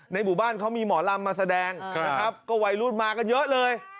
หมู่บ้านเขามีหมอลำมาแสดงนะครับก็วัยรุ่นมากันเยอะเลย